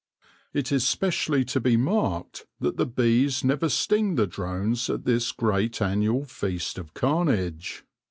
It is specially to be marked that the bees never sting the drones at this great annual feast of carnage.